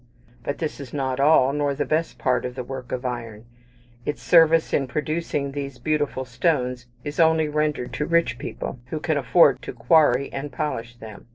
But this is not all, nor the best part of the work of iron. Its service in producing these beautiful stones is only rendered to rich people, who can afford to quarry and polish them.